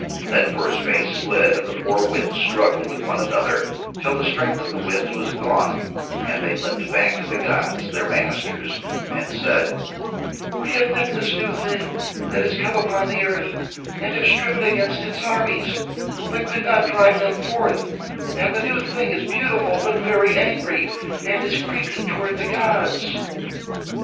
Then for a space Slid and the four winds struggled with one another till the strength of the winds was gone, and they limped back to the gods, their masters, and said: "We have met this new thing that has come upon the earth and have striven against its armies, but could not drive them forth; and the new thing is beautiful but very angry, and is creeping towards the gods."